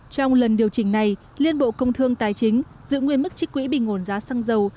trong lần điều chỉnh này liên bộ công thương tài chính giữ nguyên mức trích quỹ bình ổn giá xăng dầu